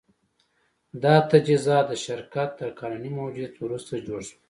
دا تجهیزات د شرکت تر قانوني موجودیت وروسته جوړ شول